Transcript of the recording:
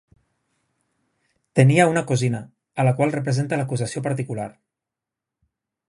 Tenia una cosina, a la qual representa l'acusació particular.